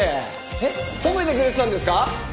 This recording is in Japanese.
えっ褒めてくれてたんですか？